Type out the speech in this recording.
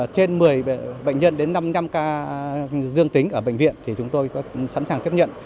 trên một mươi bệnh nhân đến năm năm ca dương tính ở bệnh viện thì chúng tôi sẵn sàng tiếp nhận